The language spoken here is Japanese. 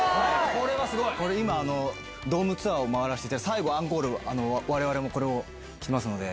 これは今、ドームツアーを回らせていただいて、最後、アンコール、われわれもこれを着ますので。